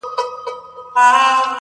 o د بل جنگ نيم اختر دئ!